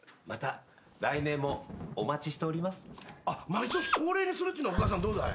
毎年恒例にするってのお母さんどうだい？